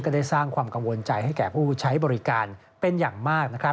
ได้สร้างความกังวลใจให้แก่ผู้ใช้บริการเป็นอย่างมาก